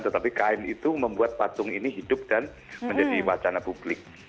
tetapi kain itu membuat patung ini hidup dan menjadi wacana publik